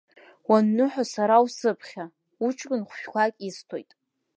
Уанныҳәо сара усыԥхьа, уҷкәын хәшәқәак исҭоит.